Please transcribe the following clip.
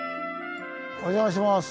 お邪魔します。